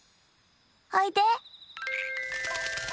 おいで。